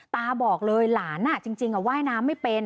บอกเลยหลานจริงว่ายน้ำไม่เป็น